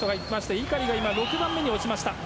井狩が６番目に落ちました。